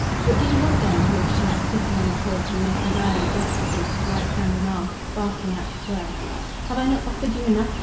"What do you want, then?" he would shout, sitting on his horse and making violent gestures with his right hand and arm, barking out his words. "Have I not offered you enough?